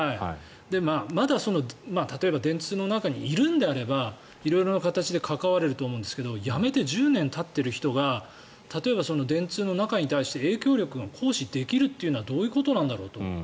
まだ例えば電通の中にいるのであれば色々な形で関われると思うんですけど辞めて１０年たっている人が例えば電通の中に対して影響力が行使できるのはどういうことなんだろうと。